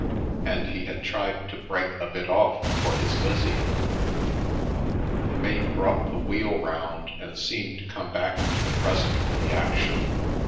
And he had tried to break a bit off for his Lizzie ! The mate brought the wheel round, and seemed to come back into the present with the action.